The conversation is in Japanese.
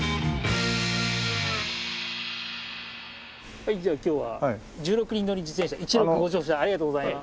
はいじゃあ今日は１６人乗り自転車イチロクにご乗車ありがとうございます。